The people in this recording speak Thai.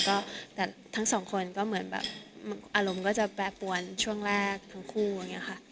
ก็แต่ทั้งสองคนก็เหมือนแบบอารมณ์ก็จะแปรปวนช่วงแรกทั้งคู่อย่างนี้ค่ะ